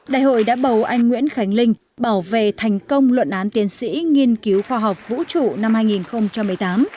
đại hội đã bầu anh nguyễn khánh linh bảo vệ thành công luận án tiến sĩ nghiên cứu khoa học vũ trụ năm hai nghìn một mươi tám